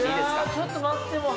◆ちょっと待って。